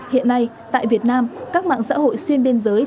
hiện nay tại việt nam các mạng xã hội xuyên biên giới